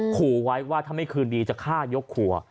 ขู่ไว้ว่าถ้าไม่คืนดีจะฆ่ายกครัว